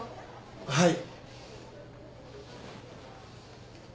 はい。